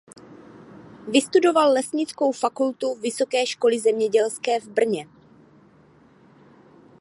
Vystudoval Lesnickou fakultu Vysoké školy zemědělské v Brně.